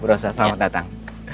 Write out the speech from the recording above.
bu rossa selamat datang